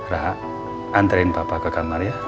rara anterin papa ke kamar ya